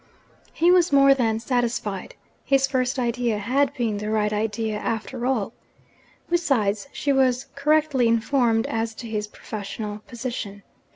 He was more than satisfied his first idea had been the right idea, after all. Besides, she was correctly informed as to his professional position.